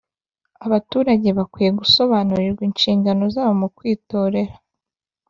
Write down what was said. abaturage bakwiye gusobanurirwa inshingano zabo mu kwitorera